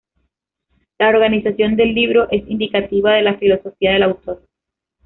La organización del libro es indicativa de la filosofía del autor.